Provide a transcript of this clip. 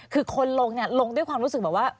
คือคนลงเนี่ยลงด้วยความรู้สึกแบบว่า